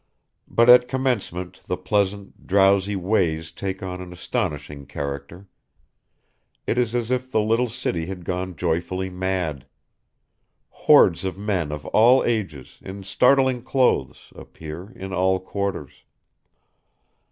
But at commencement the pleasant, drowsy ways take on an astonishing character; it is as if the little city had gone joyfully mad. Hordes of men of all ages, in startling clothes, appear in all quarters.